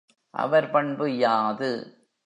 அவர் பண்பு யாது?